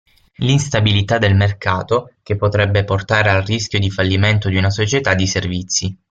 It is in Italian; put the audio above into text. L'instabilità del mercato, che potrebbe portare al rischio di fallimento di una società di servizi.